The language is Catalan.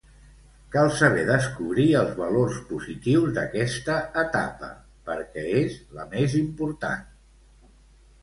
Cal saber descobrir els valors positius d'aquesta etapa, perquè és la més important.